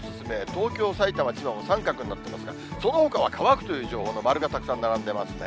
東京、さいたま、千葉も三角になってますが、そのほかは乾くという情報の、丸がたくさん並んでますね。